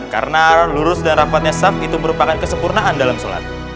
karena lurus dan rapatnya shaf itu merupakan kesempurnaan dalam sholat